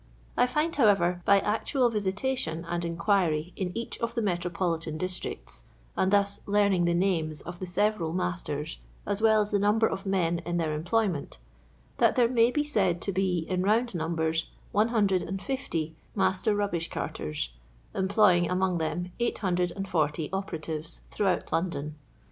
I find, however, by actual visitation and inqtiiry in each of the metropolitan districts, and thus learning the names of the several masters as well as the number of men in their employment, that there may be said to be, in round numbers, 150 master mbbish carters, employing among them 840 operatives throughout London.